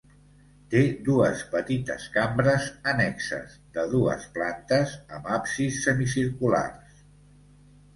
Té dues petites cambres annexes, de dues plantes, amb absis semicirculars.